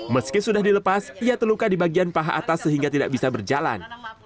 meski sudah dilepas ia terluka di bagian paha atas sehingga tidak bisa berjalan